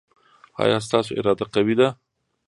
ایا ستاسو اراده قوي ده؟